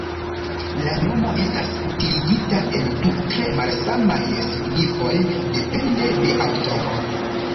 La nomo estas utiligita en du tre malsamaj signifoj depende de aŭtoro.